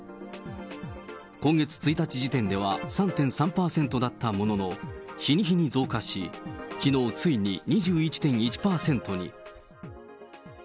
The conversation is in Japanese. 今月１日時点では３．３％だったものの、日に日に増加し、きのうついに２１．１％に。